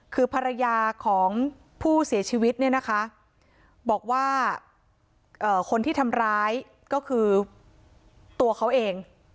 คือภรรยาของผู้เสียชีวิตเนี่ยนะคะบอกว่าคนที่ทำร้ายก็คือตัวเขาเอง